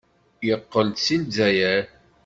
Yeqqel-d seg Lezzayer.